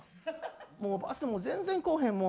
もうバスも全然来おへんもん。